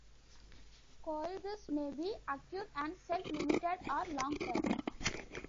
Colitis may be acute and self-limited or long-term.